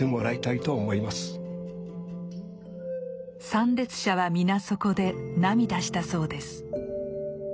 参列者は皆そこで涙したそうです。